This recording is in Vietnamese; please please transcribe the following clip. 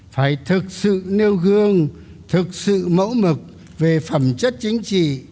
phải thực sự nêu gương thực sự mẫu mực về phẩm chất chính trị